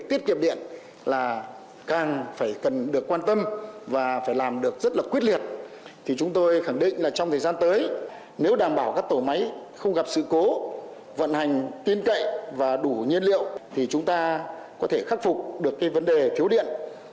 trong thời gian tới nếu đảm bảo các tổ máy không gặp sự cố vận hành tiên cậy và đủ nhiên liệu thì chúng ta có thể khắc phục được cái vấn đề thiếu điện